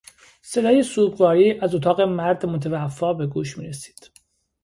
صدای سوگواری از اتاق مرد متوفی به گوش میرسید.